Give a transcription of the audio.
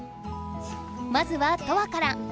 まずはトアから！